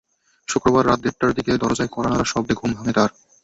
শুক্রবার রাত দেড়টার দিকে দরজায় কড়া নাড়ার শব্দে ঘুম ভাঙে তার।